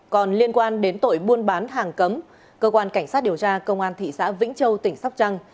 còn liên quan đến tội buôn bán hàng cấm cơ quan cảnh sát điều tra công an thị xã vĩnh châu tỉnh sóc trăng